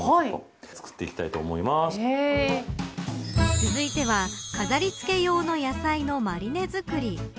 続いては飾り付け用の野菜のマリネ作り。